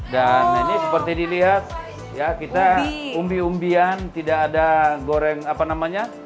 dan ini seperti dilihat ya kita umbi umbian tidak ada goreng apa namanya